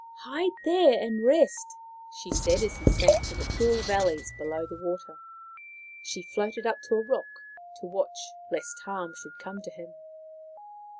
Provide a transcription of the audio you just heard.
" Hide there and rest," she said as he sank to the cool valleys below the water. She floated up to a rock to watch lest harm should come to him.